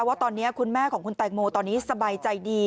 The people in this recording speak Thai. ว่าตอนนี้คุณแม่ของคุณแตงโมตอนนี้สบายใจดี